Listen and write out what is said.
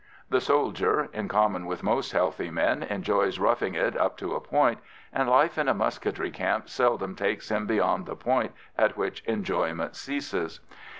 The soldier, in common with most healthy men, enjoys roughing it up to a point, and life in a musketry camp seldom takes him beyond the point at which enjoyment ceases.